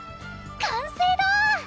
完成だー！